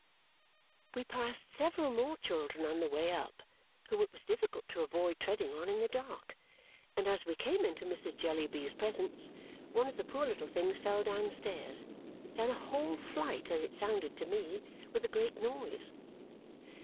We passed several more children on the way up, whom it was difficult to avoid treading on in the dark; and as we came into Mrs. Jellyby's presence, one of the poor little things fell downstairs down a whole flight (as it sounded to me), with a great noise.